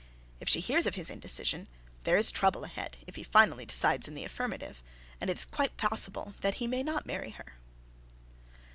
If she hears of his indecision there is trouble ahead, if he finally decides in the affirmative, and it is quite possible that he may not marry her.